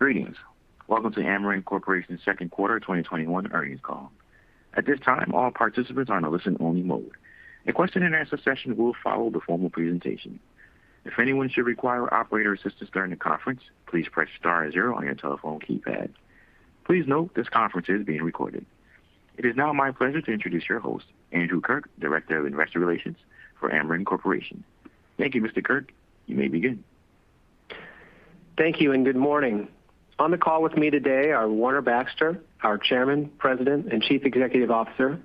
Greetings. Welcome to Ameren Corporation's second quarter 2021 earnings call. At this time, all participants are in a listen-only mode. A question and answer session will follow the formal presentation. If anyone should require operator assistance during the conference, please press star zero on your telephone keypad. Please note this conference is being recorded. It is now my pleasure to introduce your host, Andrew Kirk, Director of Investor Relations for Ameren Corporation. Thank you, Mr. Kirk. You may begin. Thank you. Good morning. On the call with me today are Warner Baxter, our Chairman, President, and Chief Executive Officer,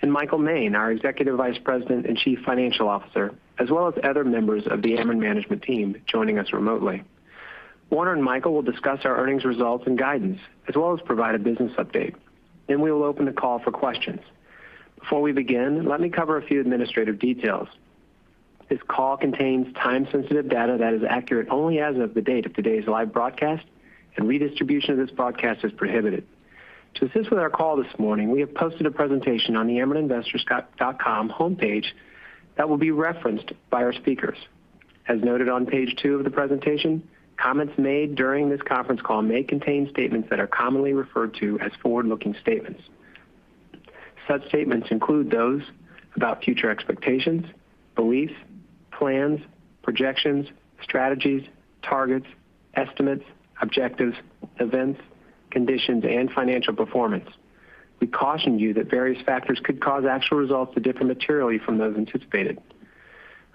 and Michael Moehn, our Executive Vice President and Chief Financial Officer, as well as other members of the Ameren management team joining us remotely. Warner and Michael will discuss our earnings results and guidance, as well as provide a business update. We will open the call for questions. Before we begin, let me cover a few administrative details. This call contains time-sensitive data that is accurate only as of the date of today's live broadcast. Redistribution of this broadcast is prohibited. To assist with our call this morning, we have posted a presentation on the amereninvestors.com homepage that will be referenced by our speakers. As noted on page two of the presentation, comments made during this conference call may contain statements that are commonly referred to as forward-looking statements. Such statements include those about future expectations, beliefs, plans, projections, strategies, targets, estimates, objectives, events, conditions, and financial performance. We caution you that various factors could cause actual results to differ materially from those anticipated.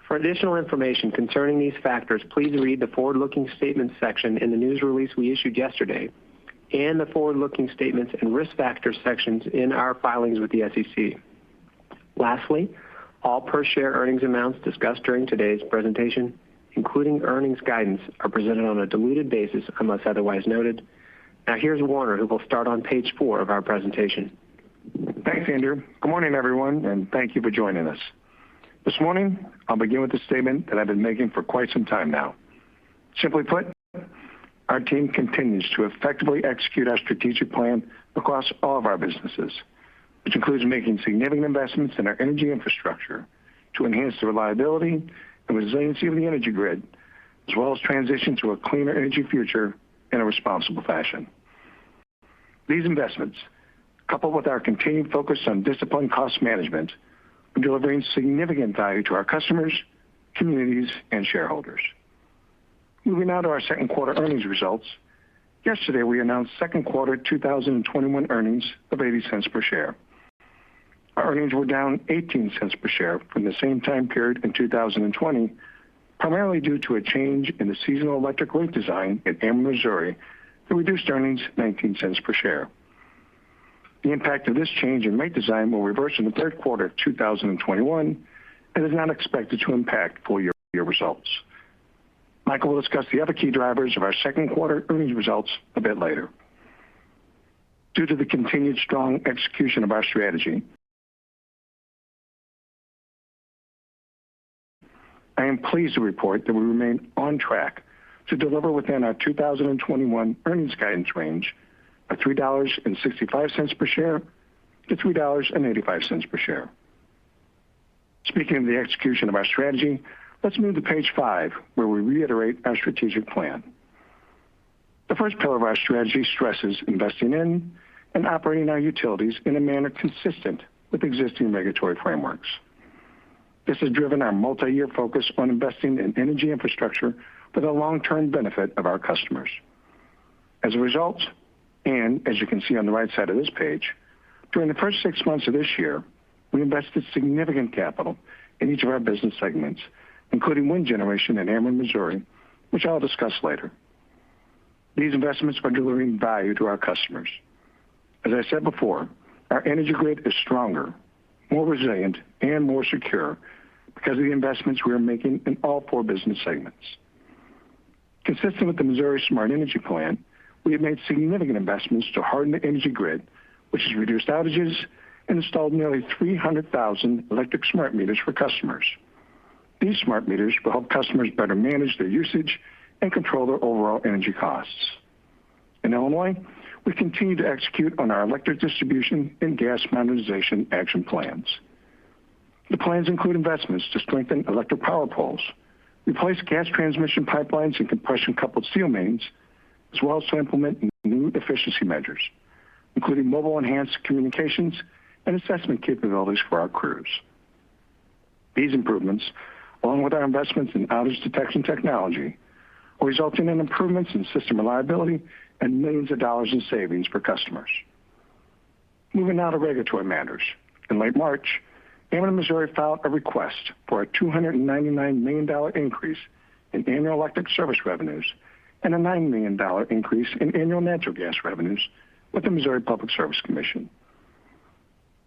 For additional information concerning these factors, please read the Forward-Looking Statements section in the news release we issued yesterday and the Forward-Looking Statements and Risk Factors sections in our filings with the SEC. Lastly, all per-share earnings amounts discussed during today's presentation, including earnings guidance, are presented on a diluted basis unless otherwise noted. Now here's Warner, who will start on page four of our presentation. Thanks, Andrew. Good morning, everyone, and thank you for joining us. This morning, I'll begin with a statement that I've been making for quite some time now. Simply put, our team continues to effectively execute our strategic plan across all of our businesses, which includes making significant investments in our energy infrastructure to enhance the reliability and resiliency of the energy grid, as well as transition to a cleaner energy future in a responsible fashion. These investments, coupled with our continued focus on disciplined cost management, are delivering significant value to our customers, communities, and shareholders. Moving now to our second quarter earnings results. Yesterday, we announced second quarter 2021 earnings of $0.80 per share. Our earnings were down $0.18 per share from the same time period in 2020, primarily due to a change in the seasonal electric rate design at Ameren Missouri that reduced earnings $0.19 per share. The impact of this change in rate design will reverse in the third quarter of 2021 and is not expected to impact full-year results. Michael will discuss the other key drivers of our second quarter earnings results a bit later. Due to the continued strong execution of our strategy, I am pleased to report that we remain on track to deliver within our 2021 earnings guidance range of $3.65 per share to $3.85 per share. Speaking of the execution of our strategy, let's move to page five, where we reiterate our strategic plan. The first pillar of our strategy stresses investing in and operating our utilities in a manner consistent with existing regulatory frameworks. This has driven our multi-year focus on investing in energy infrastructure for the long-term benefit of our customers. As a result, and as you can see on the right side of this page, during the first six months of this year, we invested significant capital in each of our business segments, including wind generation at Ameren Missouri, which I'll discuss later. These investments are delivering value to our customers. As I said before, our energy grid is stronger, more resilient, and more secure because of the investments we are making in all four business segments. Consistent with the Missouri Smart Energy Plan, we have made significant investments to harden the energy grid, which has reduced outages and installed nearly 300,000 electric smart meters for customers. These smart meters will help customers better manage their usage and control their overall energy costs. In Illinois, we continue to execute on our electric distribution and gas modernization action plans. The plans include investments to strengthen electric power poles, replace gas transmission pipelines and compression coupled steel mains, as well as to implement new efficiency measures, including mobile enhanced communications and assessment capabilities for our crews. These improvements, along with our investments in outage detection technology, will result in improvements in system reliability and millions of dollars in savings for customers. Moving now to regulatory matters. In late March, Ameren Missouri filed a request for a $299 million increase in annual electric service revenues and a $9 million increase in annual natural gas revenues with the Missouri Public Service Commission.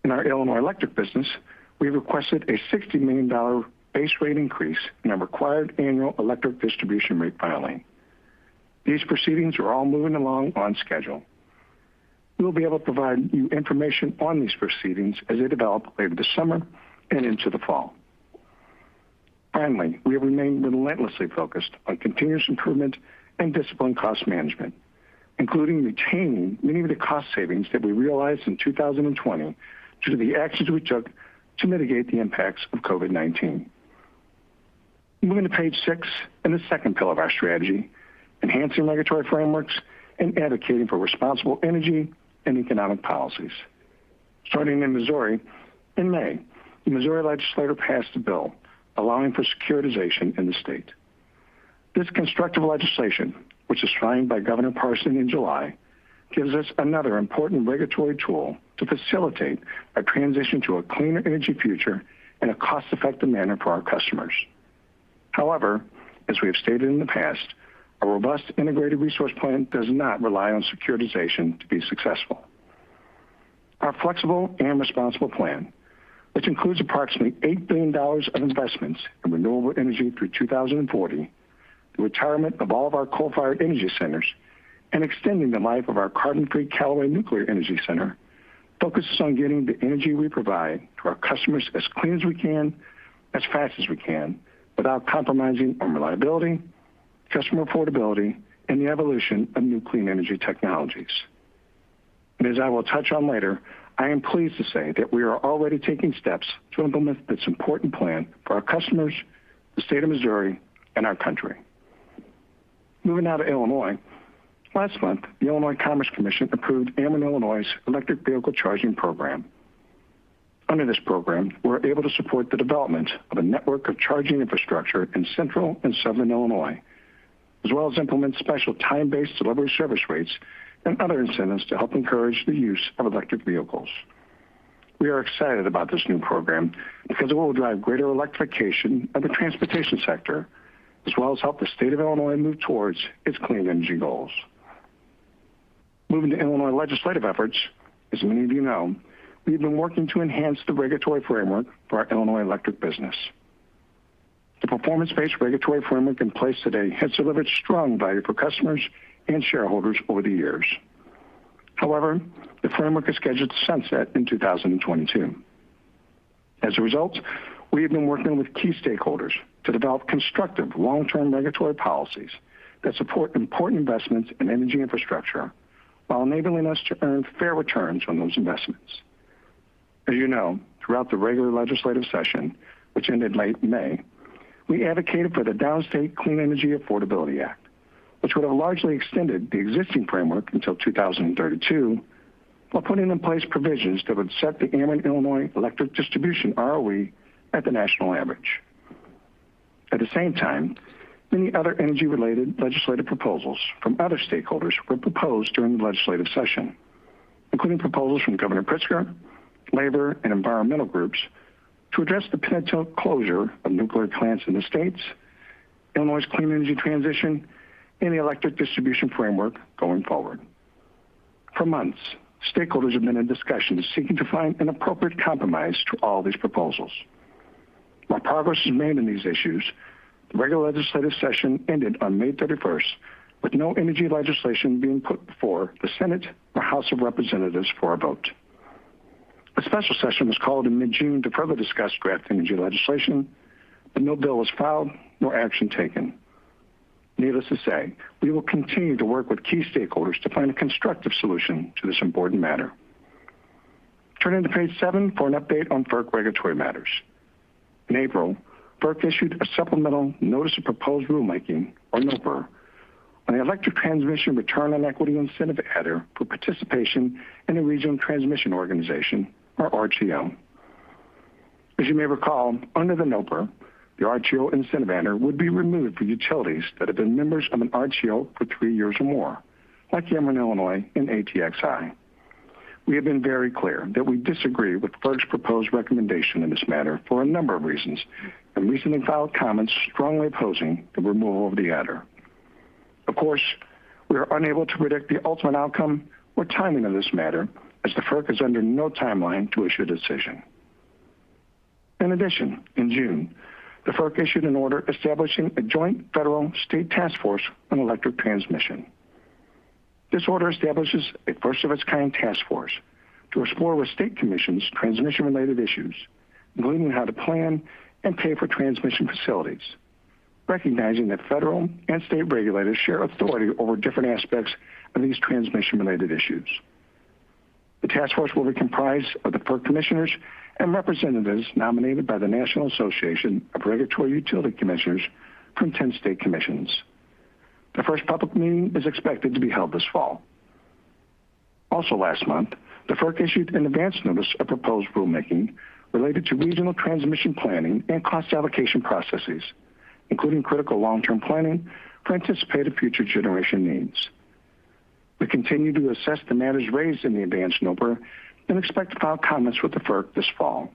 In our Illinois electric business, we requested a $60 million base rate increase in our required annual electric distribution rate filing. These proceedings are all moving along on schedule. We will be able to provide you information on these proceedings as they develop later this summer and into the fall. Finally, we have remained relentlessly focused on continuous improvement and disciplined cost management, including retaining many of the cost savings that we realized in 2020 due to the actions we took to mitigate the impacts of COVID-19. Moving to page six and the second pillar of our strategy, enhancing regulatory frameworks and advocating for responsible energy and economic policies. Starting in Missouri, in May, the Missouri Legislature passed a bill allowing for securitization in the state. This constructive legislation, which was signed by Governor Mike Parson in July, gives us another important regulatory tool to facilitate a transition to a cleaner energy future in a cost-effective manner for our customers. However, as we have stated in the past, a robust integrated resource plan does not rely on securitization to be successful. Our flexible and responsible plan, which includes approximately $8 billion of investments in renewable energy through 2040, the retirement of all of our coal-fired energy centers, and extending the life of our carbon-free Callaway Energy Center, focuses on getting the energy we provide to our customers as clean as we can, as fast as we can, without compromising on reliability, customer affordability, and the evolution of new clean energy technologies. As I will touch on later, I am pleased to say that we are already taking steps to implement this important plan for our customers, the State of Missouri, and our country. Moving now to Illinois. Last month, the Illinois Commerce Commission approved Ameren Illinois's electric vehicle charging program. Under this program, we're able to support the development of a network of charging infrastructure in Central and Southern Illinois, as well as implement special time-based delivery service rates and other incentives to help encourage the use of electric vehicles. We are excited about this new program because it will drive greater electrification of the transportation sector, as well as help the State of Illinois move towards its clean energy goals. Moving to Illinois legislative efforts, as many of you know, we've been working to enhance the regulatory framework for our Illinois electric business. The performance-based regulatory framework in place today has delivered strong value for customers and shareholders over the years. The framework is scheduled to sunset in 2022. As a result, we have been working with key stakeholders to develop constructive long-term regulatory policies that support important investments in energy infrastructure while enabling us to earn fair returns on those investments. As you know, throughout the regular legislative session, which ended late May, we advocated for the Downstate Clean Energy Affordability Act, which would've largely extended the existing framework until 2032, while putting in place provisions that would set the Ameren Illinois electric distribution ROE at the national average. At the same time, many other energy-related legislative proposals from other stakeholders were proposed during the legislative session, including proposals from Governor JB Pritzker, labor, and environmental groups to address the potential closure of nuclear plants in the states, Illinois' clean energy transition, and the electric distribution framework going forward. For months, stakeholders have been in discussions seeking to find an appropriate compromise to all these proposals. While progress is made on these issues, the regular legislative session ended on May 31st with no energy legislation being put before the Senate or House of Representatives for a vote. No bill was filed, nor action taken. Needless to say, we will continue to work with key stakeholders to find a constructive solution to this important matter. Turn into page seven for an update on FERC regulatory matters. In April, FERC issued a supplemental notice of proposed rulemaking, or NOPR, on the electric transmission return on equity incentive adder for participation in a regional transmission organization, or RTO. As you may recall, under the NOPR, the RTO incentive adder would be removed for utilities that have been members of an RTO for three years or more, like Ameren Illinois and ATXI. We have been very clear that we disagree with FERC's proposed recommendation in this matter for a number of reasons and recently filed comments strongly opposing the removal of the adder. Of course, we are unable to predict the ultimate outcome or timing of this matter, as the FERC is under no timeline to issue a decision. In addition, in June, the FERC issued an order establishing a joint federal-state task force on electric transmission. This order establishes a first-of-its-kind task force to explore with state commissions transmission-related issues, including how to plan and pay for transmission facilities, recognizing that federal and state regulators share authority over different aspects of these transmission-related issues. The task force will be comprised of the FERC commissioners and representatives nominated by the National Association of Regulatory Utility Commissioners from 10 state commissions. The first public meeting is expected to be held this fall. Also last month, the FERC issued an advanced notice of proposed rulemaking related to regional transmission planning and cost allocation processes, including critical long-term planning to anticipate future generation needs. We continue to assess the matters raised in the advanced NOPR and expect to file comments with the FERC this fall.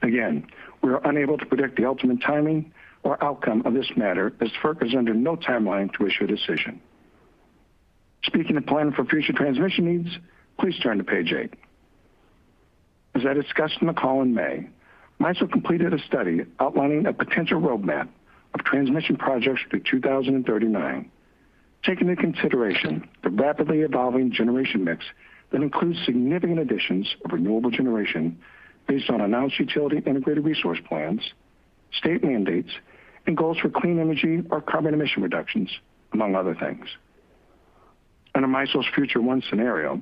Again, we are unable to predict the ultimate timing or outcome of this matter, as FERC is under no timeline to issue a decision. Speaking of planning for future transmission needs, please turn to page eight. As I discussed on the call in May, MISO completed a study outlining a potential roadmap of transmission projects through 2039, taking into consideration the rapidly evolving generation mix that includes significant additions of renewable generation based on announced utility integrated resource plans, state mandates, and goals for clean energy or carbon emission reductions, among other things. Under MISO's Future 1 scenario,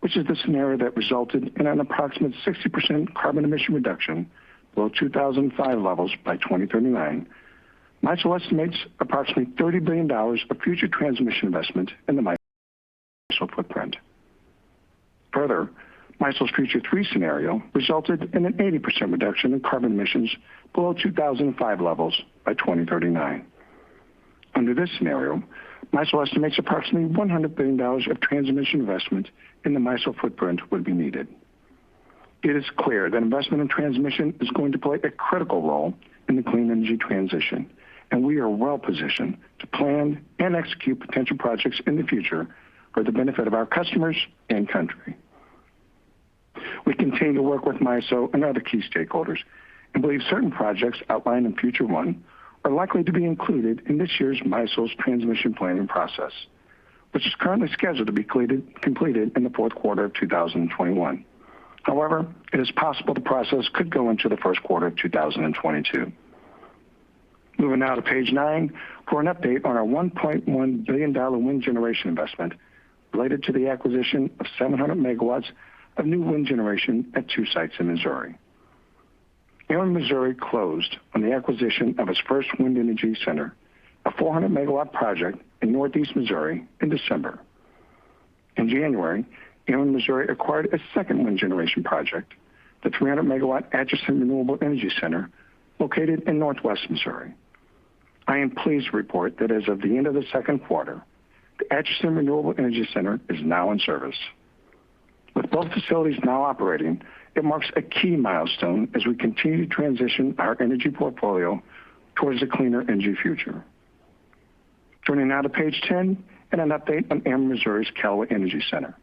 which is the scenario that resulted in an approximate 60% carbon emission reduction below 2005 levels by 2039, MISO estimates approximately $30 billion of future transmission investment in the MISO footprint. Further, MISO's Future 3 scenario resulted in an 80% reduction in carbon emissions below 2005 levels by 2039. Under this scenario, MISO estimates approximately $100 billion of transmission investment in the MISO footprint would be needed. It is clear that investment in transmission is going to play a critical role in the clean energy transition, and we are well-positioned to plan and execute potential projects in the future for the benefit of our customers and country. We continue to work with MISO and other key stakeholders and believe certain projects outlined in Future 1 are likely to be included in this year's MISO's transmission planning process, which is currently scheduled to be completed in the fourth quarter of 2021. However, it is possible the process could go into the first quarter of 2022. Moving now to page nine for an update on our $1.1 billion wind generation investment related to the acquisition of 700 MW of new wind generation at two sites in Missouri. Ameren Missouri closed on the acquisition of its first wind energy center, a 400 MW project in Northeast Missouri in December. In January, Ameren Missouri acquired a second wind generation project, the 300 MW Atchison Renewable Energy Center, located in northwest Missouri. I am pleased to report that as of the end of the second quarter, the Atchison Renewable Energy Center is now in service. With both facilities now operating, it marks a key milestone as we continue to transition our energy portfolio towards a cleaner energy future. Turning now to page 10 and an update on Ameren Missouri's Callaway Energy Center.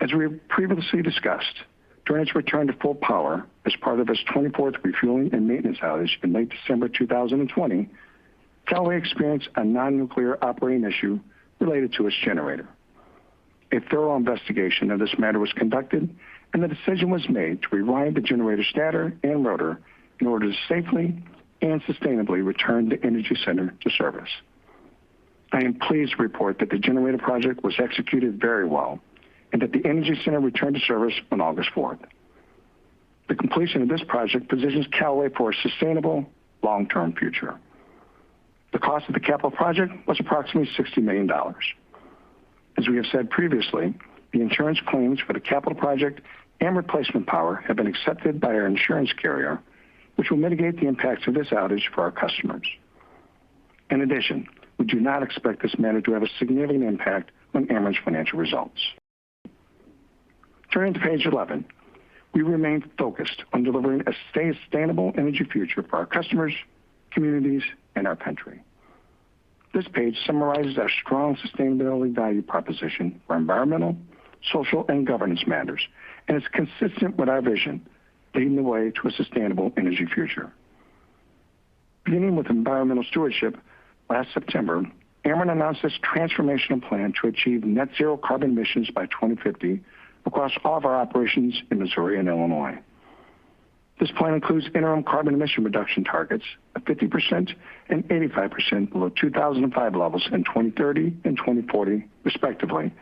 As we have previously discussed, during its return to full power as part of its 24th refueling and maintenance outage in late December 2020, Callaway experienced a non-nuclear operating issue related to its generator. A thorough investigation of this matter was conducted, and the decision was made to rewind the generator stator and rotor in order to safely and sustainably return the energy center to service. I am pleased to report that the generator project was executed very well and that the energy center returned to service on August 4th. The completion of this project positions Callaway for a sustainable long-term future. The cost of the capital project was approximately $60 million. As we have said previously, the insurance claims for the capital project and replacement power have been accepted by our insurance carrier, which will mitigate the impact of this outage for our customers. In addition, we do not expect this matter to have a significant impact on Ameren's financial results. Turning to page 11, we remain focused on delivering a sustainable energy future for our customers, communities, and our country. This page summarizes our strong sustainability value proposition for environmental, social, and governance matters, and is consistent with our vision, leading the way to a sustainable energy future. Beginning with environmental stewardship, last September, Ameren announced its transformational plan to achieve net zero carbon emissions by 2050 across all of our operations in Missouri and Illinois. This plan includes interim carbon emission reduction targets of 50% and 85% below 2005 levels in 2030 and 2040, respectively,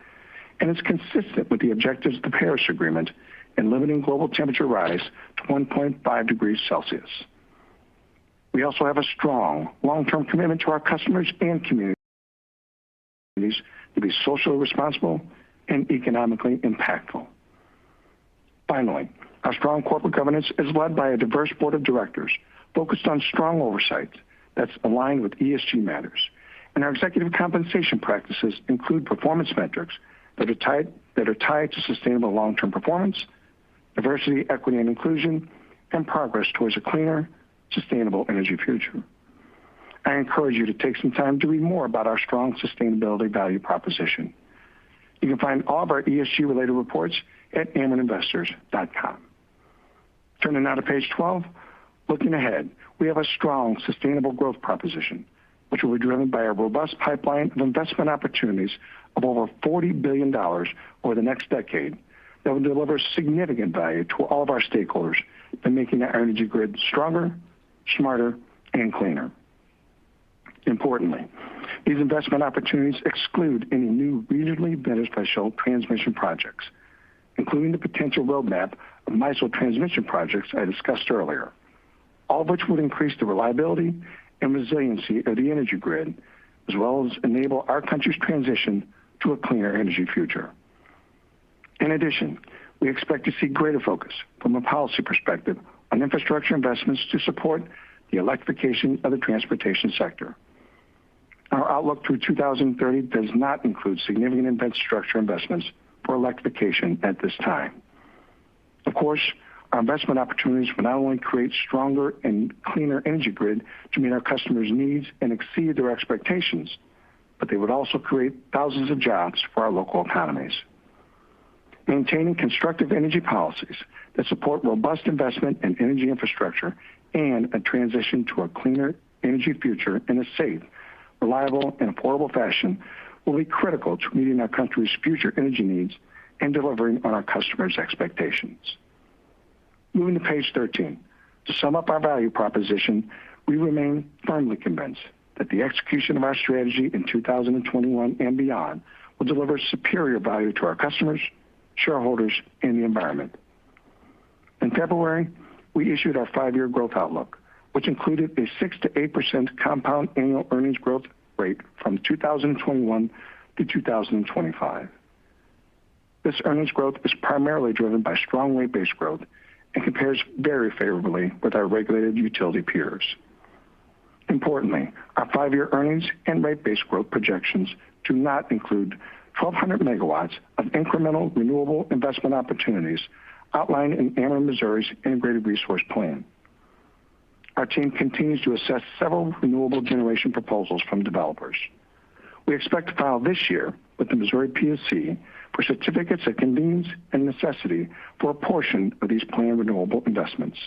and is consistent with the objectives of the Paris Agreement in limiting global temperature rise to 1.5 degrees Celsius. We also have a strong long-term commitment to our customers and communities to be socially responsible and economically impactful. Finally, our strong corporate governance is led by a diverse board of directors focused on strong oversight that's aligned with ESG matters. Our executive compensation practices include performance metrics that are tied to sustainable long-term performance, diversity, equity, and inclusion, and progress towards a cleaner, sustainable energy future. I encourage you to take some time to read more about our strong sustainability value proposition. You can find all of our ESG-related reports at amereninvestors.com. Turning now to page 12. Looking ahead, we have a strong, sustainable growth proposition, which will be driven by our robust pipeline of investment opportunities of over $40 billion over the next decade that will deliver significant value to all of our stakeholders in making our energy grid stronger, smarter, and cleaner. Importantly, these investment opportunities exclude any new regionally beneficial transmission projects, including the potential roadmap of MISO transmission projects I discussed earlier. All of which would increase the reliability and resiliency of the energy grid, as well as enable our country's transition to a cleaner energy future. We expect to see greater focus from a policy perspective on infrastructure investments to support the electrification of the transportation sector. Our outlook through 2030 does not include significant infrastructure investments for electrification at this time. Our investment opportunities will not only create stronger and cleaner energy grid to meet our customers' needs and exceed their expectations, but they would also create thousands of jobs for our local economies. Maintaining constructive energy policies that support robust investment in energy infrastructure and a transition to a cleaner energy future in a safe, reliable, and affordable fashion will be critical to meeting our country's future energy needs and delivering on our customers' expectations. Moving to page 13. To sum up our value proposition, we remain firmly convinced that the execution of our strategy in 2021 and beyond will deliver superior value to our customers, shareholders, and the environment. In February, we issued our five-year growth outlook, which included a 6%-8% compound annual earnings growth rate from 2021 to 2025. This earnings growth is primarily driven by strong rate base growth and compares very favorably with our regulated utility peers. Importantly, our five-year earnings and rate base growth projections do not include 1,200 MW of incremental renewable investment opportunities outlined in Ameren Missouri's Integrated Resource Plan. Our team continues to assess several renewable generation proposals from developers. We expect to file this year with the Missouri PSC for certificates of convenience and necessity for a portion of these planned renewable investments.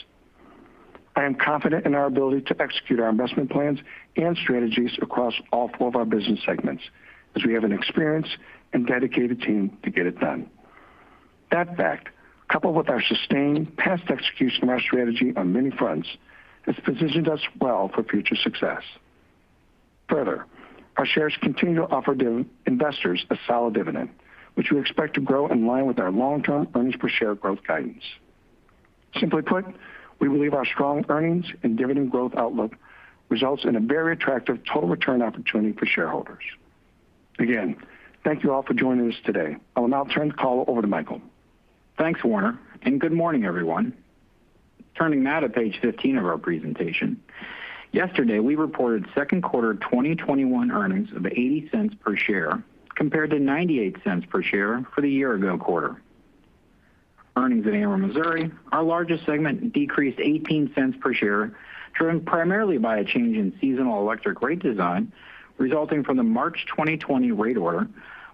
I am confident in our ability to execute our investment plans and strategies across all four of our business segments, as we have an experienced and dedicated team to get it done. That fact, coupled with our sustained past execution of our strategy on many fronts, has positioned us well for future success. Further, our shares continue to offer investors a solid dividend, which we expect to grow in line with our long-term earnings per share growth guidance. Simply put, we believe our strong earnings and dividend growth outlook results in a very attractive total return opportunity for shareholders. Again, thank you all for joining us today. I will now turn the call over to Michael. Thanks, Warner. Good morning, everyone. Turning now to page 15 of our presentation. Yesterday, we reported second quarter 2021 earnings of $0.80 per share, compared to $0.98 per share for the year-ago quarter. Earnings in Ameren Missouri, our largest segment, decreased $0.18 per share, driven primarily by a change in seasonal electric rate design resulting from the March 2020 rate order,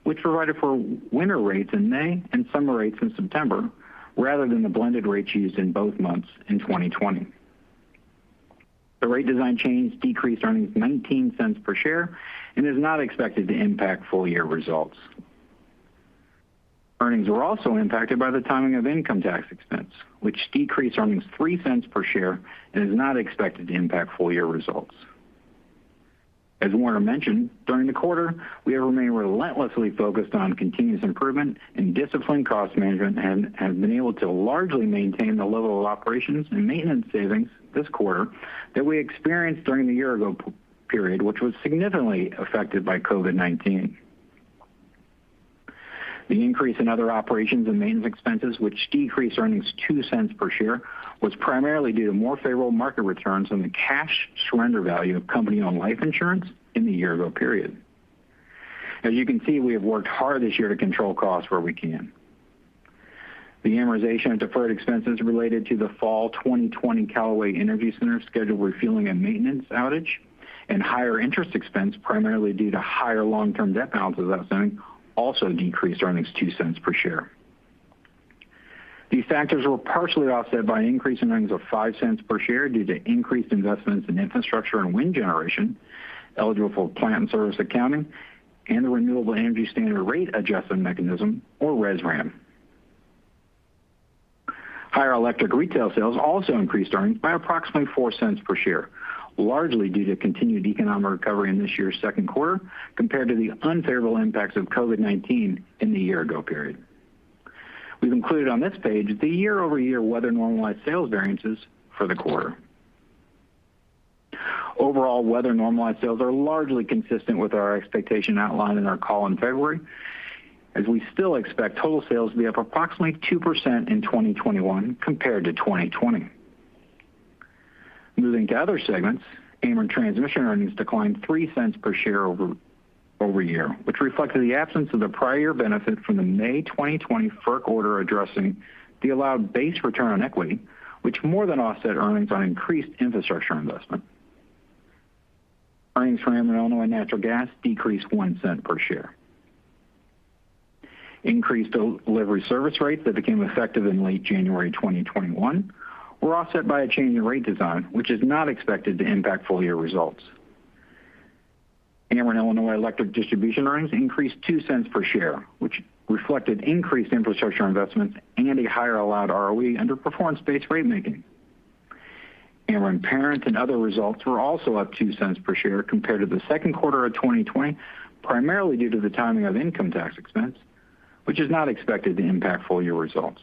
which provided for winter rates in May and summer rates in September, rather than the blended rate used in both months in 2020. The rate design change decreased earnings $0.19 per share and is not expected to impact full-year results. Earnings were also impacted by the timing of income tax expense, which decreased earnings $0.03 per share and is not expected to impact full-year results. As Warner mentioned, during the quarter, we have remained relentlessly focused on continuous improvement and disciplined cost management and have been able to largely maintain the level of operations and maintenance savings this quarter that we experienced during the year-ago period, which was significantly affected by COVID-19. The increase in other operations and maintenance expenses, which decreased earnings $0.02 per share, was primarily due to more favorable market returns on the cash surrender value of company-owned life insurance in the year-ago period. As you can see, we have worked hard this year to control costs where we can. The amortization of deferred expenses related to the Fall 2020 Callaway Energy Center scheduled refueling and maintenance outage and higher interest expense, primarily due to higher long-term debt balances outstanding, also decreased earnings $0.02 per share. These factors were partially offset by an increase in earnings of $0.05 per share due to increased investments in infrastructure and wind generation eligible for plant and service accounting and the Renewable Energy Standard Rate Adjustment Mechanism, or RESRAM. Higher electric retail sales also increased earnings by approximately $0.04 per share, largely due to continued economic recovery in this year's second quarter compared to the unfavorable impacts of COVID-19 in the year-ago period. We've included on this page the year-over-year weather-normalized sales variances for the quarter. Overall, weather-normalized sales are largely consistent with our expectation outlined in our call in February, as we still expect total sales to be up approximately 2% in 2021 compared to 2020. Moving to other segments, Ameren Transmission earnings declined $0.03 per share over year, which reflected the absence of the prior year benefit from the May 2020 FERC order addressing the allowed base return on equity, which more than offset earnings on increased infrastructure investment. Earnings for Ameren Illinois Natural Gas decreased $0.01 per share. Increased delivery service rates that became effective in late January 2021 were offset by a change in rate design, which is not expected to impact full-year results. Ameren Illinois Electric Distribution earnings increased $0.02 per share, which reflected increased infrastructure investments and a higher allowed ROE under performance-based rate making. Ameren Parent and Other results were also up $0.02 per share compared to the second quarter of 2020, primarily due to the timing of income tax expense, which is not expected to impact full-year results.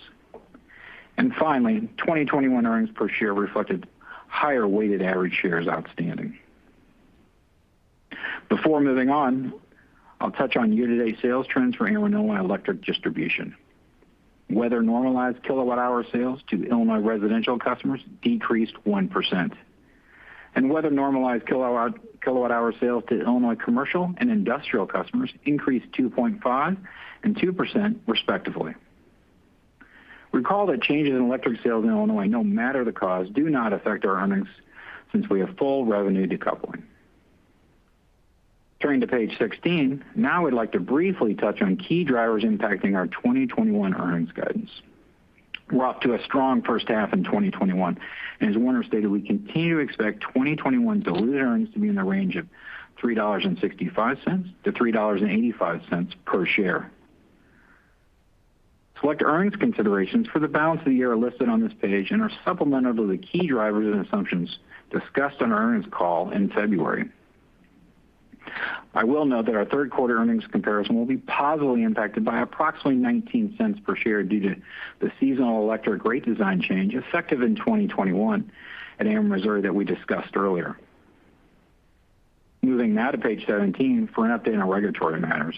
Finally, 2021 earnings per share reflected higher weighted average shares outstanding. Before moving on, I'll touch on year-to-date sales trends for Ameren Illinois Electric Distribution. Weather-normalized kilowatt-hour sales to Illinois residential customers decreased 1%. Weather-normalized kilowatt-hour sales to Illinois commercial and industrial customers increased 2.5% and 2%, respectively. Recall that changes in electric sales in Illinois, no matter the cause, do not affect our earnings since we have full revenue decoupling. Turning to page 16. We'd like to briefly touch on key drivers impacting our 2021 earnings guidance. We're off to a strong first half in 2021, as Warner stated, we continue to expect 2021 diluted earnings to be in the range of $3.65-$3.85 per share. Select earnings considerations for the balance of the year are listed on this page and are supplemental to the key drivers and assumptions discussed on our earnings call in February. I will note that our third-quarter earnings comparison will be positively impacted by approximately $0.19 per share due to the seasonal electric rate design change effective in 2021 at Ameren Missouri that we discussed earlier. Moving now to page 17 for an update on regulatory matters.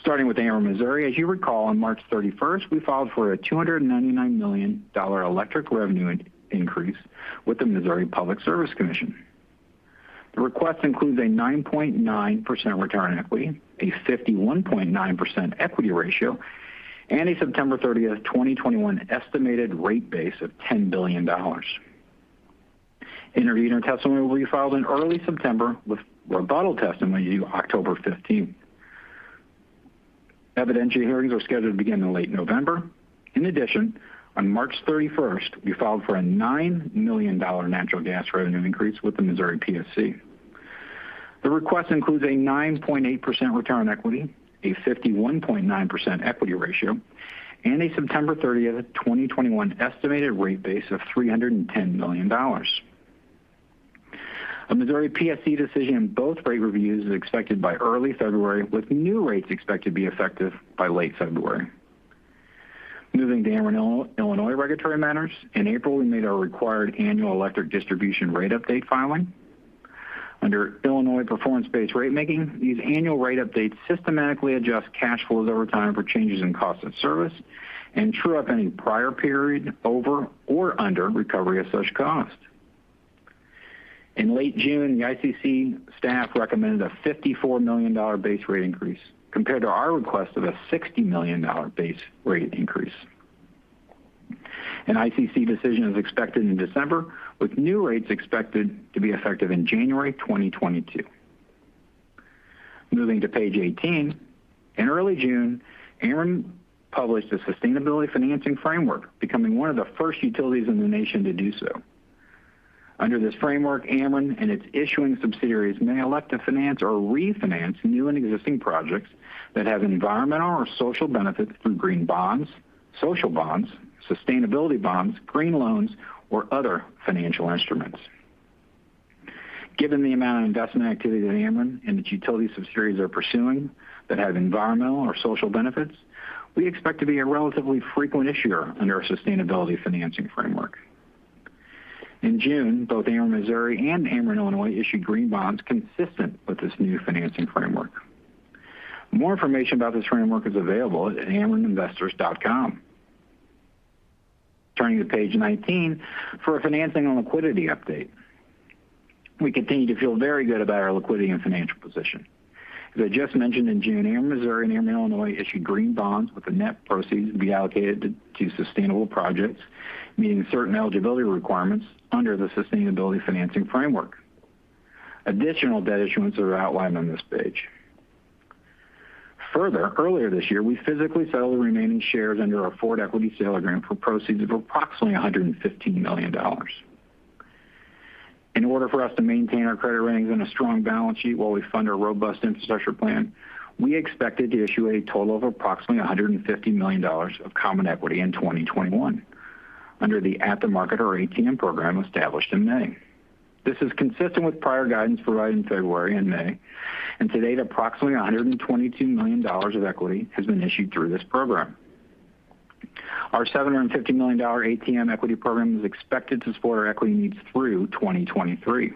Starting with Ameren Missouri, as you recall, on March 31st, we filed for a $299 million electric revenue increase with the Missouri Public Service Commission. The request includes a 9.9% return on equity, a 51.9% equity ratio, and a September 30th, 2021, estimated rate base of $10 billion. Intervenor testimony will be filed in early September, with rebuttal testimony due October 15th. Evidentiary hearings are scheduled to begin in late November. In addition, on March 31st, we filed for a $9 million natural gas revenue increase with the Missouri PSC. The request includes a 9.8% return on equity, a 51.9% equity ratio, and a September 30th, 2021, estimated rate base of $310 million. A Missouri PSC decision in both rate reviews is expected by early February, with new rates expected to be effective by late February. Moving to Ameren Illinois regulatory matters. In April, we made our required annual electric distribution rate update filing. Under Illinois performance-based rate making, these annual rate updates systematically adjust cash flows over time for changes in cost of service and true up any prior period over or under recovery of such costs. In late June, the ICC staff recommended a $54 million base rate increase compared to our request of a $60 million base rate increase. An ICC decision is expected in December, with new rates expected to be effective in January 2022. Moving to page 18. In early June, Ameren published a sustainability financing framework, becoming one of the first utilities in the nation to do so. Under this framework, Ameren and its issuing subsidiaries may elect to finance or refinance new and existing projects that have environmental or social benefits through green bonds, social bonds, sustainability bonds, green loans, or other financial instruments. Given the amount of investment activity that Ameren and its utility subsidiaries are pursuing that have environmental or social benefits, we expect to be a relatively frequent issuer under our sustainability financing framework. In June, both Ameren Missouri and Ameren Illinois issued green bonds consistent with this new financing framework. More information about this framework is available at amereninvestors.com. Turning to page 19 for a financing and liquidity update. We continue to feel very good about our liquidity and financial position. As I just mentioned, in June, Ameren Missouri and Ameren Illinois issued green bonds with the net proceeds to be allocated to sustainable projects, meeting certain eligibility requirements under the sustainability financing framework. Additional debt issuances are outlined on this page. Earlier this year, we physically sold the remaining shares under our Forward Equity Sale Agreement for proceeds of approximately $115 million. In order for us to maintain our credit ratings and a strong balance sheet while we fund our robust infrastructure plan, we expected to issue a total of approximately $150 million of common equity in 2021 under the at-the-market or ATM program established in May. This is consistent with prior guidance provided in February and May. To date, approximately $122 million of equity has been issued through this program. Our $750 million ATM equity program is expected to support our equity needs through 2023.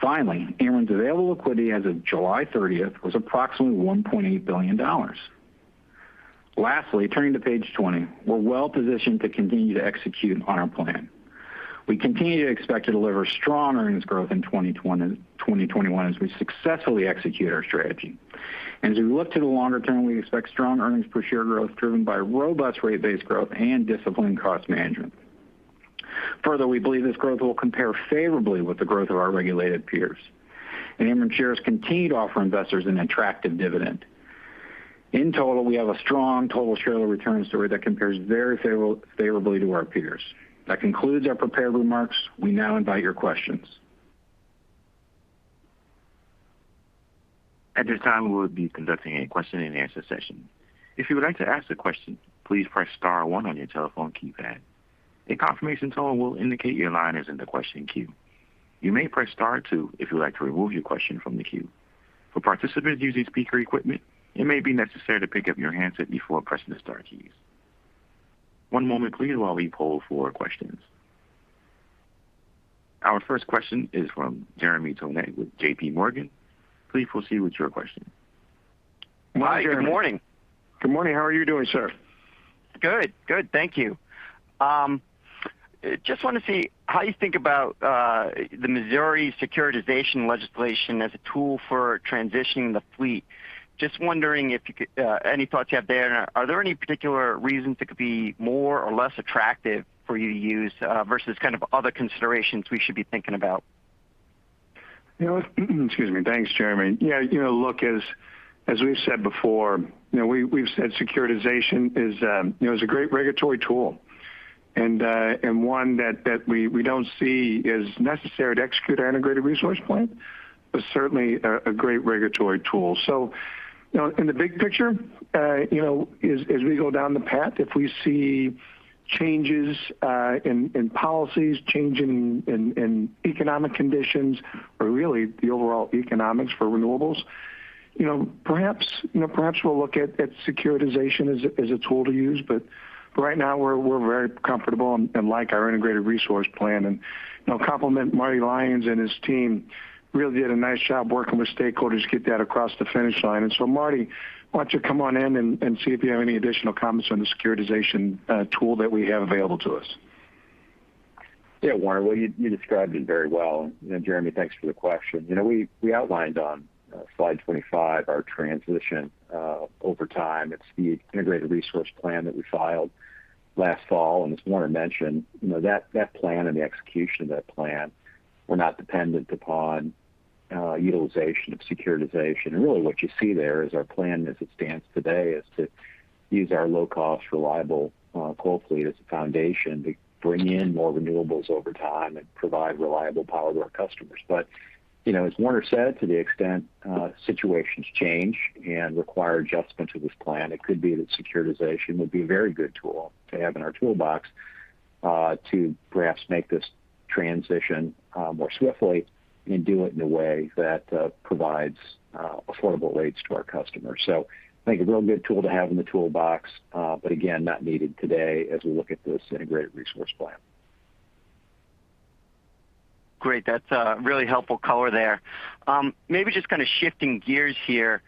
Finally, Ameren's available liquidity as of July 30th was approximately $1.8 billion. Lastly, turning to page 20. We're well-positioned to continue to execute on our plan. We continue to expect to deliver strong earnings growth in 2021 as we successfully execute our strategy. As we look to the longer term, we expect strong earnings per share growth driven by robust rate base growth and disciplined cost management. Further, we believe this growth will compare favorably with the growth of our regulated peers. Ameren shares continue to offer investors an attractive dividend. In total, we have a strong total shareholder return story that compares very favorably to our peers. That concludes our prepared remarks. We now invite your questions. At this time, we will be conducting a question-and-answer session. If you would like to ask a question, please press star one on your telephone keypad. A confirmation tone will indicate your line is in the question queue. You may press star two if you would like to remove your question from the queue. For participants using speaker equipment, it may be necessary to pick up your handset before pressing the star keys. One moment please while we poll for questions. Our first question is from Jeremy Tonet with JPMorgan. Please proceed with your question. Hi, good morning. Good morning. How are you doing, sir? Good. Thank you. Just want to see how you think about the Missouri securitization legislation as a tool for transitioning the fleet. Just wondering any thoughts you have there? Are there any particular reasons it could be more or less attractive for you to use versus kind of other considerations we should be thinking about? Excuse me. Thanks, Jeremy. Yeah. Look, as we've said before, we've said securitization is a great regulatory tool One that we don't see as necessary to execute our Integrated Resource Plan, but certainly a great regulatory tool. In the big picture, as we go down the path, if we see changes in policies, change in economic conditions, or really the overall economics for renewables, perhaps we'll look at securitization as a tool to use. Right now, we're very comfortable and like our Integrated Resource Plan. Compliment Martin J. Lyons and his team, really did a nice job working with stakeholders to get that across the finish line. Martin, why don't you come on in and see if you have any additional comments on the securitization tool that we have available to us? Yeah, Warner. Well, you described it very well. Jeremy, thanks for the question. We outlined on slide 25 our transition over time at speed, integrated resource plan that we filed last fall. As Warner mentioned, that plan and the execution of that plan were not dependent upon utilization of securitization. Really what you see there is our plan as it stands today, is to use our low-cost, reliable coal fleet as a foundation to bring in more renewables over time and provide reliable power to our customers. As Warner said, to the extent situations change and require adjustment to this plan, it could be that securitization would be a very good tool to have in our toolbox, to perhaps make this transition more swiftly and do it in a way that provides affordable rates to our customers. I think a real good tool to have in the toolbox, but again, not needed today as we look at this integrated resource plan. Great. That's a really helpful color there. Maybe just kind of shifting gears here,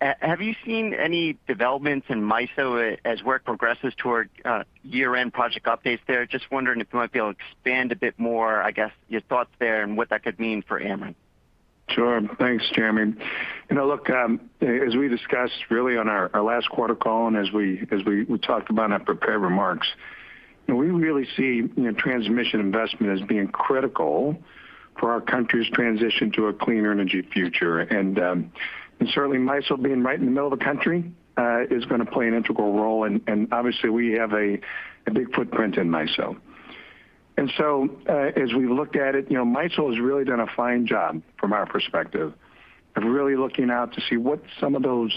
have you seen any developments in MISO as work progresses toward year-end project updates there? Just wondering if you might be able to expand a bit more, I guess, your thoughts there and what that could mean for Ameren. Sure. Thanks, Jeremy. Look, as we discussed really on our last quarter call, and as we talked about in our prepared remarks, we really see transmission investment as being critical for our country's transition to a clean energy future. Certainly MISO being right in the middle of the country, is going to play an integral role. Obviously we have a big footprint in MISO. As we've looked at it, MISO has really done a fine job from our perspective of really looking out to see what some of those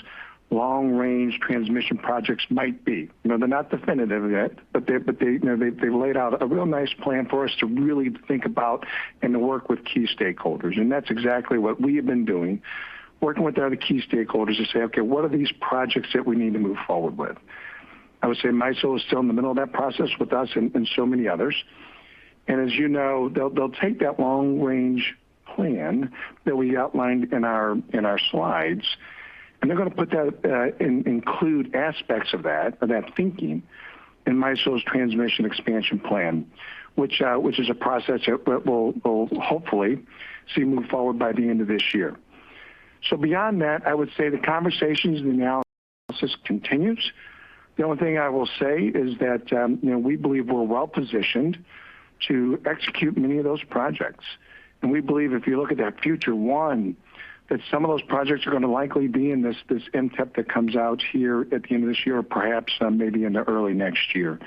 long-range transmission projects might be. They're not definitive yet, but they've laid out a real nice plan for us to really think about and to work with key stakeholders. That's exactly what we have been doing, working with our key stakeholders to say, "Okay, what are these projects that we need to move forward with?" I would say MISO is still in the middle of that process with us and so many others. As you know, they'll take that long-range plan that we outlined in our slides, and they're going to include aspects of that thinking in MISO's Transmission Expansion Plan, which is a process that we'll hopefully see move forward by the end of this year. Beyond that, I would say the conversations and the analysis continues. The only thing I will say is that, we believe we're well positioned to execute many of those projects. We believe if you look at that Future 1, that some of those projects are going to likely be in this MTEP that comes out here at the end of this year or perhaps maybe into early next year.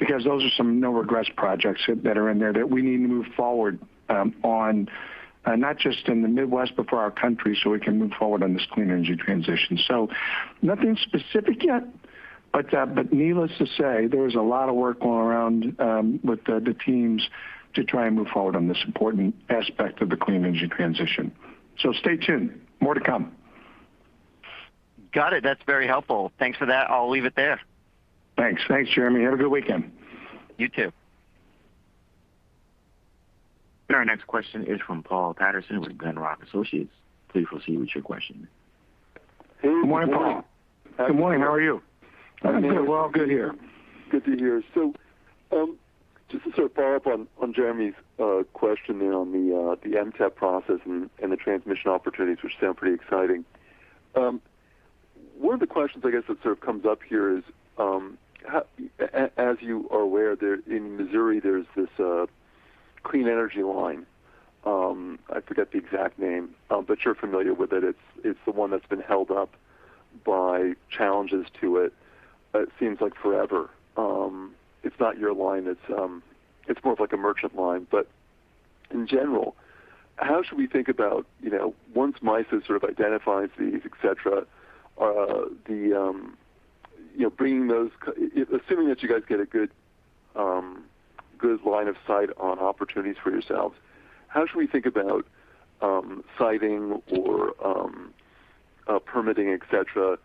Those are some no-regrets projects that are in there that we need to move forward on, not just in the Midwest, but for our country so we can move forward on this clean energy transition. Nothing specific yet, but needless to say, there is a lot of work going around with the teams to try and move forward on this important aspect of the clean energy transition. Stay tuned. More to come. Got it. That's very helpful. Thanks for that. I'll leave it there. Thanks. Thanks, Jeremy. Have a good weekend. You too. Our next question is from Paul Patterson with Glenrock Associates. Please proceed with your question. Good morning, Paul. Hey, Warner. Good morning. How are you? I'm good. Well, good here. Good to hear. Just to follow up on Jeremy's question there on the MTEP process and the transmission opportunities, which sound pretty exciting. One of the questions, I guess, that comes up here is, as you are aware, in Missouri, there's this clean energy line. I forget the exact name, but you're familiar with it. It's the one that's been held up by challenges to it seems like forever. It's not your line, it's more of like a merchant line. In general, how should we think about once MISO sort of identifies these, et cetera, assuming that you guys get a good line of sight on opportunities for yourselves, how should we think about siting or permitting, et cetera,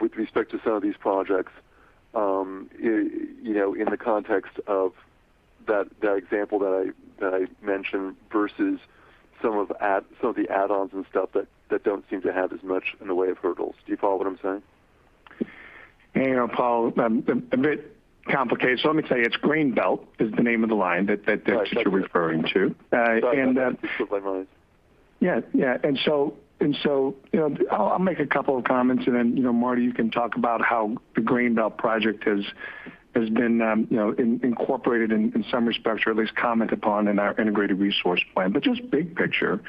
with respect to some of these projects, in the context of that example that I mentioned versus some of the add-ons and stuff that don't seem to have as much in the way of hurdles. Do you follow what I'm saying? Paul, a bit complicated. Let me tell you, it's Grain Belt is the name of the line that you're referring to. Got you. That's what I thought it was. Yeah. I'll make a couple of comments and then, Martin, you can talk about how the Grain Belt project has been incorporated in some respects or at least comment upon in our integrated resource plan. Just big picture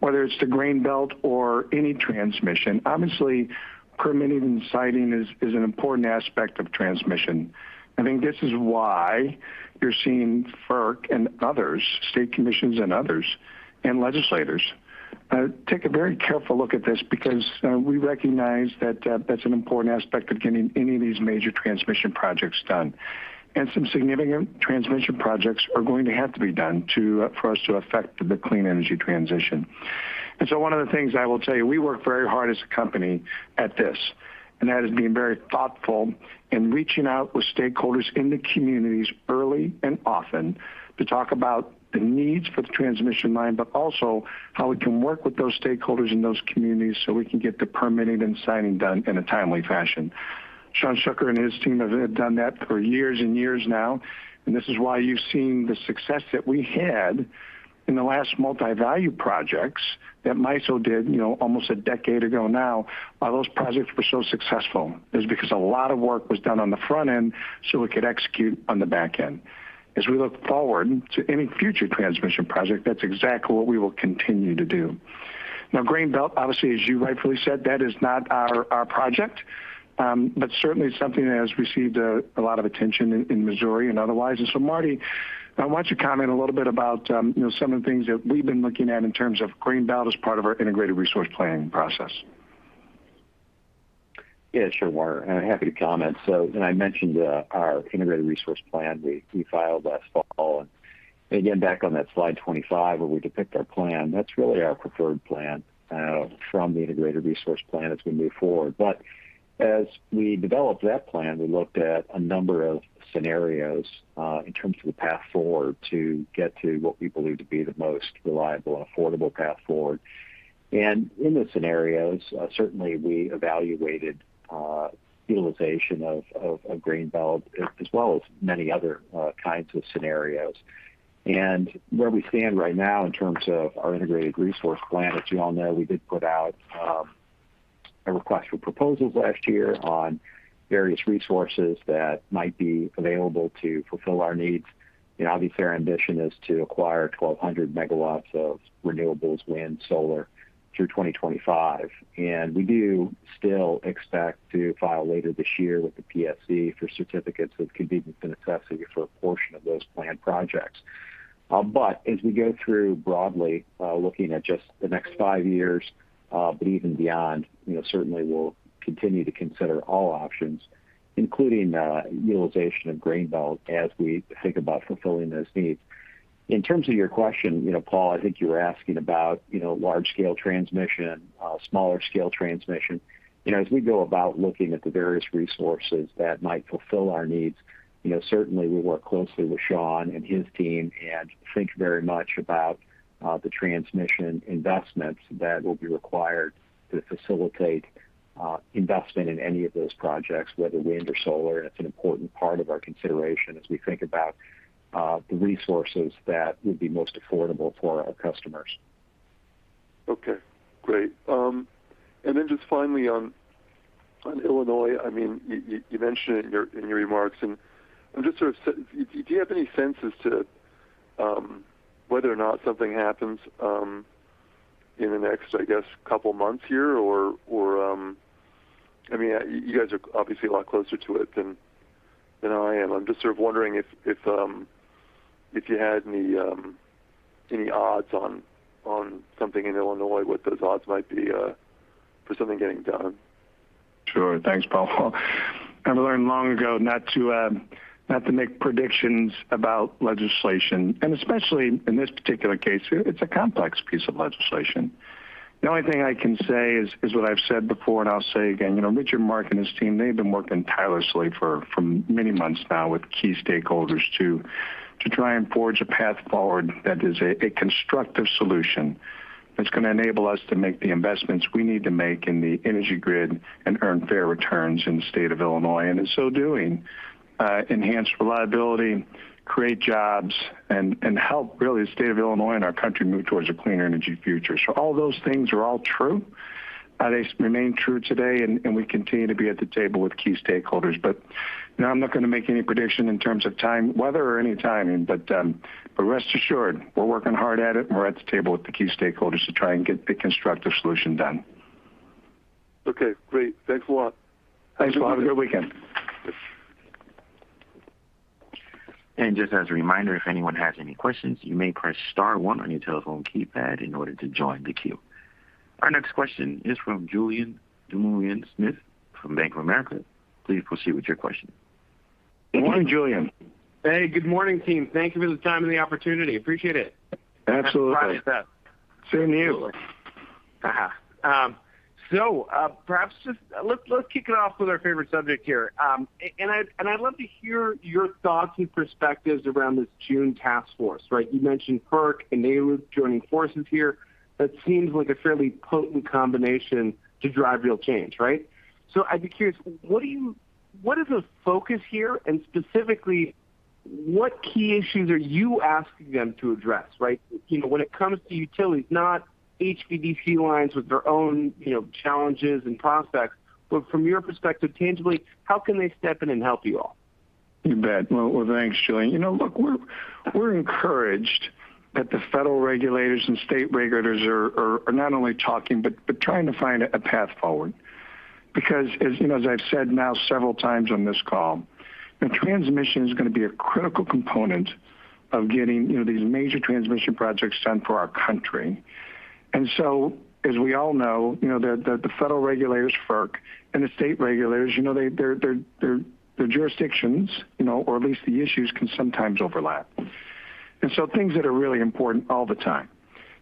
Whether it's the Grain Belt or any transmission, obviously permitting and siting is an important aspect of transmission. I think this is why you're seeing FERC and others, state commissions and others, and legislators take a very careful look at this because we recognize that that's an important aspect of getting any of these major transmission projects done. Some significant transmission projects are going to have to be done for us to effect the clean energy transition. One of the things I will tell you, we work very hard as a company at this, and that is being very thoughtful in reaching out with stakeholders in the communities early and often to talk about the needs for the transmission line, but also how we can work with those stakeholders in those communities so we can get the permitting and siting done in a timely fashion. Shawn Schukar and his team have done that for years and years now, and this is why you've seen the success that we had in the last multi-value projects that MISO did almost a decade ago now. Why those projects were so successful is because a lot of work was done on the front end so we could execute on the back end. As we look forward to any future transmission project, that's exactly what we will continue to do. Now, Grain Belt, obviously, as you rightfully said, that is not our project. But certainly something that has received a lot of attention in Missouri and otherwise. Martin, I want you to comment a little bit about some of the things that we've been looking at in terms of Grain Belt as part of our integrated resource planning process. Yeah, sure, Warner. Happy to comment. When I mentioned our integrated resource plan we filed last fall, and again, back on that slide 25 where we depict our plan, that's really our preferred plan from the integrated resource plan as we move forward. As we developed that plan, we looked at a number of scenarios, in terms of a path forward to get to what we believe to be the most reliable and affordable path forward. In the scenarios, certainly we evaluated utilization of Grain Belt as well as many other kinds of scenarios. Where we stand right now in terms of our integrated resource plan, as you all know, we did put out a request for proposals last year on various resources that might be available to fulfill our needs. Obviously our ambition is to acquire 1,200 MW of renewables, wind, solar, through 2025. We do still expect to file later this year with the PSC for certificates of convenience and necessity for a portion of those planned projects. As we go through broadly, looking at just the next five years, but even beyond, certainly we'll continue to consider all options, including utilization of Grain Belt as we think about fulfilling those needs. In terms of your question, Paul, I think you were asking about large scale transmission, smaller scale transmission. As we go about looking at the various resources that might fulfill our needs, certainly we work closely with Shawn Schukar and his team and think very much about the transmission investments that will be required to facilitate investment in any of those projects, whether wind or solar. That's an important part of our consideration as we think about the resources that would be most affordable for our customers. Okay, great. Then just finally on Illinois, you mentioned it in your remarks. Do you have any sense as to whether or not something happens in the next, I guess, couple months here? You guys are obviously a lot closer to it than I am. I'm just sort of wondering if you had any odds on something in Illinois, what those odds might be for something getting done. Sure. Thanks, Paul. I learned long ago not to make predictions about legislation, and especially in this particular case, it's a complex piece of legislation. The only thing I can say is what I've said before, and I'll say again. Richard Mark and his team, they've been working tirelessly for many months now with key stakeholders to try and forge a path forward that is a constructive solution that's going to enable us to make the investments we need to make in the energy grid and earn fair returns in the state of Illinois, and in so doing, enhance reliability, create jobs, and help really the state of Illinois and our country move towards a cleaner energy future. All those things are all true. They remain true today. We continue to be at the table with key stakeholders. No, I'm not going to make any prediction in terms of time, whether or any timing, but rest assured, we're working hard at it, and we're at the table with the key stakeholders to try and get the constructive solution done. Okay, great. Thanks a lot. Thanks, Paul. Have a good weekend. Just as a reminder, if anyone has any questions, you may press star one on your telephone keypad in order to join the queue. Our next question is from Julien Dumoulin-Smith from Bank of America. Please proceed with your question. Good morning, Julien. Hey, good morning, team. Thank you for the time and the opportunity. Appreciate it. Absolutely. I'm proud of that. Same to you. Perhaps let's kick it off with our favorite subject here. I'd love to hear your thoughts and perspectives around this June task force, right? You mentioned FERC and NARUC joining forces here. That seems like a fairly potent combination to drive real change, right? I'd be curious, what is the focus here, and specifically, what key issues are you asking them to address, right? When it comes to utilities, not HVDC lines with their own challenges and prospects, but from your perspective, tangibly, how can they step in and help you all? You bet. Thanks, Julien. We're encouraged that the federal regulators and state regulators are not only talking, but trying to find a path forward. As I've said now several times on this call, the transmission's going to be a critical component of getting these major transmission projects done for our country. As we all know, the federal regulators, FERC, and the state regulators, their jurisdictions, or at least the issues, can sometimes overlap. Things that are really important all the time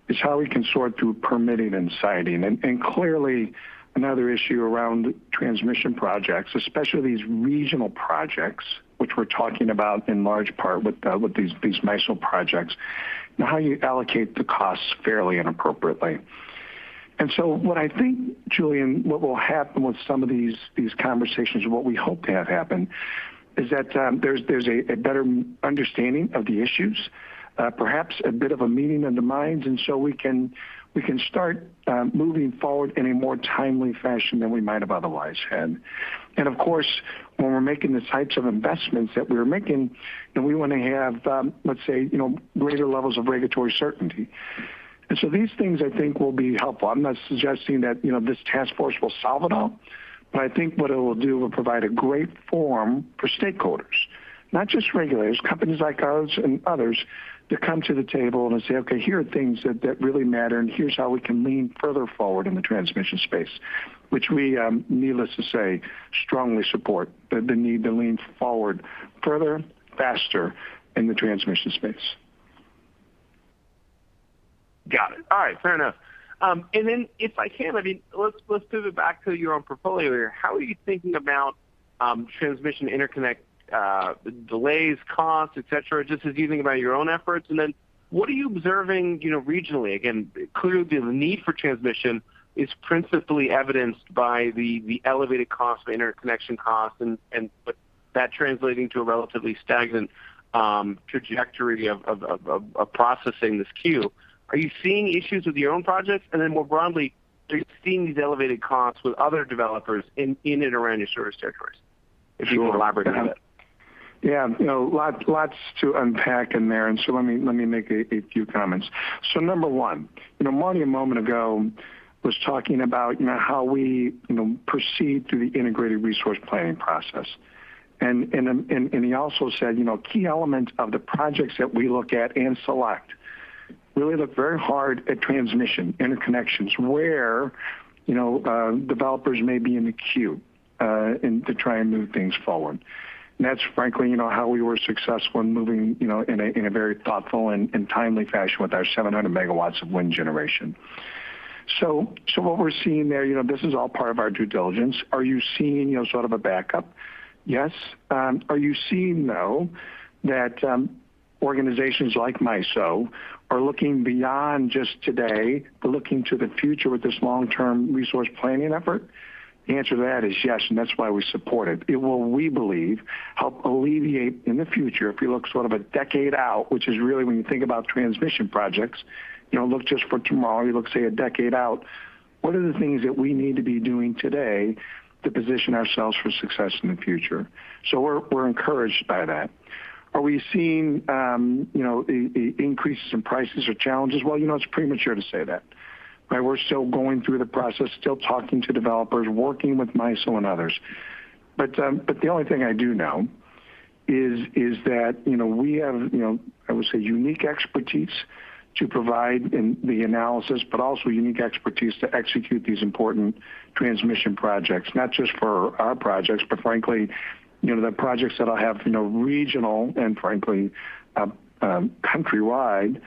is how we can sort through permitting and siting. Clearly another issue around transmission projects, especially these regional projects, which we're talking about in large part with these MISO projects, and how you allocate the costs fairly and appropriately. What I think, Julien, what will happen with some of these conversations or what we hope to have happen, is that there's a better understanding of the issues, perhaps a bit of a meeting of the minds, and so we can start moving forward in a more timely fashion than we might have otherwise had. Of course, when we're making the types of investments that we're making, then we want to have, let's say, greater levels of regulatory certainty. These things, I think, will be helpful. I'm not suggesting that this task force will solve it all, but I think what it will do will provide a great forum for stakeholders. Not just regulators, companies like ours and others to come to the table and say, "Okay, here are things that really matter, and here's how we can lean further forward in the transmission space." Which we, needless to say, strongly support, the need to lean forward further, faster in the transmission space. Got it. All right. Fair enough. If I can, let's pivot back to your own portfolio here. How are you thinking about transmission interconnect delays, costs, et cetera, just as you think about your own efforts? What are you observing regionally? Clearly the need for transmission is principally evidenced by the elevated cost of interconnection costs, but that translating to a relatively stagnant trajectory of processing this queue. Are you seeing issues with your own projects? More broadly, are you seeing these elevated costs with other developers in and around your service territories? Sure. If you can elaborate on that? Yeah. Lots to unpack in there, let me make a few comments. Number one, Martin a moment ago was talking about how we proceed through the integrated resource planning process. He also said key elements of the projects that we look at and select really look very hard at transmission interconnections, where developers may be in the queue to try and move things forward. That's frankly how we were successful in moving in a very thoughtful and timely fashion with our 700 MW of wind generation. What we're seeing there, this is all part of our due diligence. Are you seeing sort of a backup? Yes. Are you seeing, though, that organizations like MISO are looking beyond just today, but looking to the future with this long-term resource planning effort? The answer to that is yes, and that's why we support it. It will, we believe, help alleviate in the future, if you look sort of a decade out, which is really when you think about transmission projects, you don't look just for tomorrow, you look, say, a decade out. What are the things that we need to be doing today to position ourselves for success in the future? We're encouraged by that. Are we seeing increases in prices or challenges? Well, it's premature to say that, right? We're still going through the process, still talking to developers, working with MISO and others. The only thing I do know is that we have, I would say, unique expertise to provide in the analysis, but also unique expertise to execute these important transmission projects. Not just for our projects, but frankly, the projects that'll have regional and frankly countrywide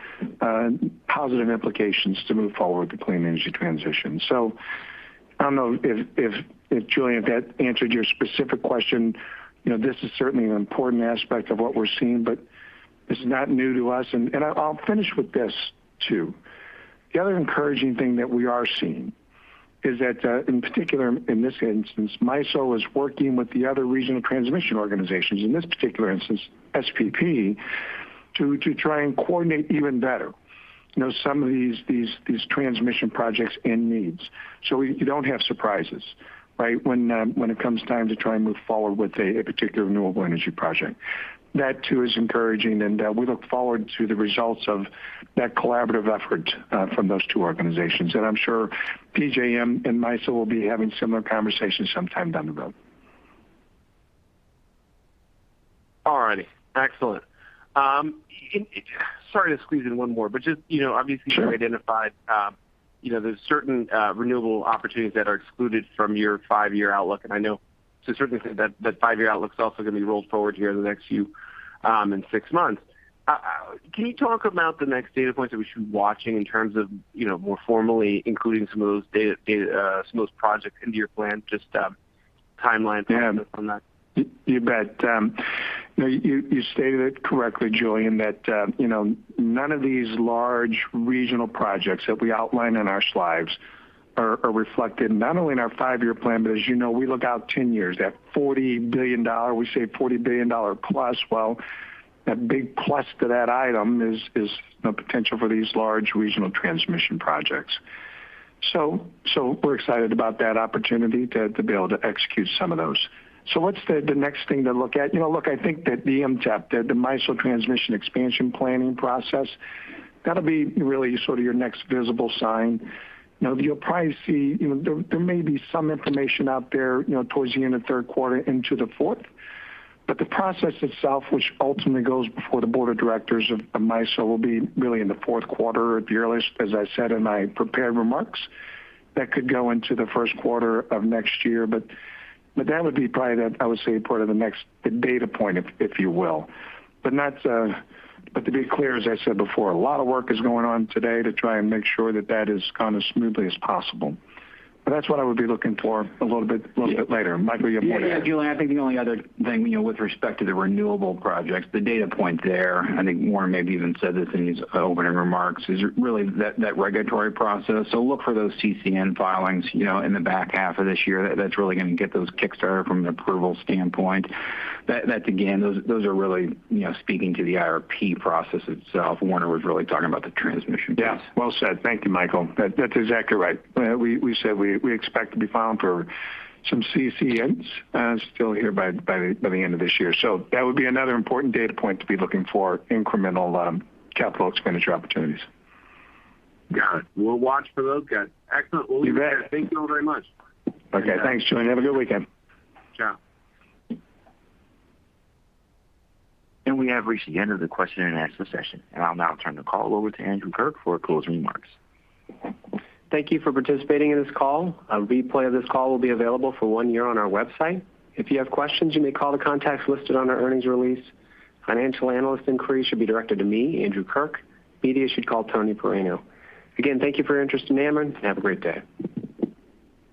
positive implications to move forward the clean energy transition. I don't know if, Julien, that answered your specific question. This is certainly an important aspect of what we're seeing, but this is not new to us. I'll finish with this too. The other encouraging thing that we are seeing is that, in particular in this instance, MISO is working with the other regional transmission organizations, in this particular instance, SPP, to try and coordinate even better some of these transmission projects and needs so you don't have surprises, right, when it comes time to try and move forward with a particular renewable energy project. That too is encouraging, and we look forward to the results of that collaborative effort from those two organizations. I'm sure PJM and MISO will be having similar conversations sometime down the road. All right. Excellent. Sorry to squeeze in one more, but just obviously. Sure You identified there's certain renewable opportunities that are excluded from your five-year outlook. I know certainly that five-year outlook's also going to be rolled forward here in the next few and six months. Can you talk about the next data points that we should be watching in terms of more formally including some of those projects into your plan? Just timelines on that. You bet. You stated it correctly, Julien, that none of these large regional projects that we outline in our slides are reflected not only in our five-year plan, but as you know, we look out 10 years. That $40 billion, we say $40 billion+. Well, that big plus to that item is the potential for these large regional transmission projects. We're excited about that opportunity to be able to execute some of those. What's the next thing to look at? Look, I think that the MTEP, the MISO Transmission Expansion Planning Process, that'll be really sort of your next visible sign. You'll probably see there may be some information out there towards the end of third quarter into the fourth. The process itself, which ultimately goes before the board of directors of MISO, will be really in the fourth quarter at the earliest, as I said in my prepared remarks. That could go into the first quarter of next year, but that would be probably, I would say, part of the next data point, if you will. To be clear, as I said before, a lot of work is going on today to try and make sure that that has gone as smoothly as possible. That's what I would be looking for a little bit later. Michael, you have more to add? Yeah. Julien, I think the only other thing with respect to the renewable projects, the data point there, I think Warner maybe even said this in his opening remarks, is really that regulatory process. Look for those CCN filings in the back half of this year. That's really going to get those kick-started from an approval standpoint. That again, those are really speaking to the IRP process itself. Warner was really talking about the transmission piece. Yeah. Well said. Thank you, Michael. That's exactly right. We said we expect to be filing for some CCNs still here by the end of this year. That would be another important data point to be looking for incremental capital expenditure opportunities. Got it. We'll watch for those guys. Excellent. You bet. We'll leave it there. Thank you all very much. Okay. Thanks, Julien. Have a good weekend. Ciao. We have reached the end of the question and answer session. I'll now turn the call over to Andrew Kirk for closing remarks. Thank you for participating in this call. A replay of this call will be available for one year on our website. If you have questions, you may call the contacts listed on our earnings release. Financial analyst inquiries should be directed to me, Andrew Kirk. Media should call Tony Paraino. Again, thank you for your interest in Ameren, and have a great day.